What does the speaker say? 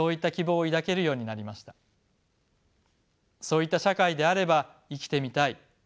そういった社会であれば生きてみたい。